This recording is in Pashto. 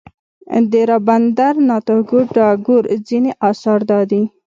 د رابندر ناته ټاګور ځینې اثار دادي.